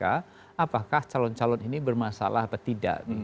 apakah calon calon ini bermasalah atau tidak